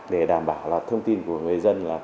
để đảm bảo là thông tin của người dân